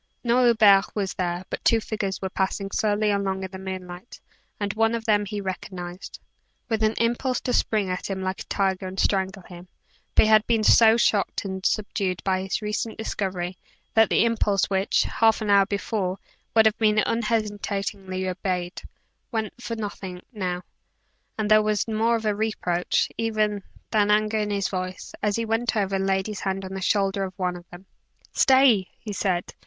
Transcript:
No Hubert was there, but two figures were passing slowly along in the moonlight, and one of them he recognized, with an impulse to spring at him like a tiger and strangle him. But he had been so shocked and subdued by his recent discovery, that the impulse which, half an hour before, would have been unhesitatingly obeyed, went for nothing, now; and there was more of reproach, even, than anger in his voice, as he went over and laid his hand on the shoulder of one of them. "Stay!" he said.